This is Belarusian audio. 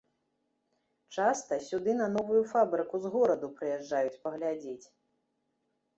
Часта сюды на новую фабрыку з гораду прыязджаюць паглядзець.